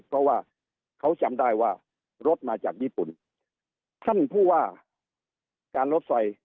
เพราะว่าเขาจำได้ว่ารถมาจากญี่ปุ่นท่านผู้ว่าการรถไฟ